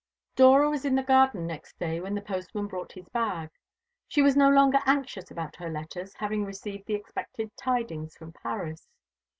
Dora was in the garden next day when the postman brought his bag. She was no longer anxious about her letters, having received the expected tidings from Paris.